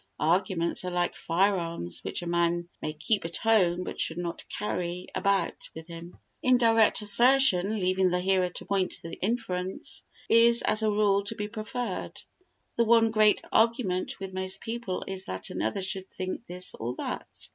Arguments are like fire arms which a man may keep at home but should not carry about with him. Indirect assertion, leaving the hearer to point the inference, is, as a rule, to be preferred. The one great argument with most people is that another should think this or that.